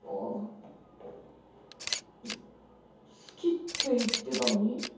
す好きって言ってたのに？